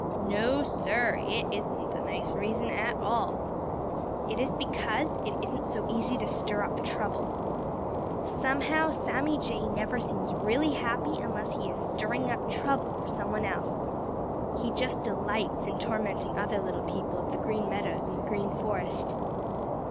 No, Sir, it isn't a nice reason at all. It is because it isn't so easy to stir up trouble. Somehow, Sammy Jay never seems really happy unless he is stirring up trouble for some one else. He just delights in tormenting other little people of the Green Meadows and the Green Forest.